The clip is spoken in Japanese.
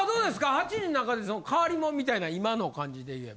８人の中で変わりもんみたいな今の感じで言えば。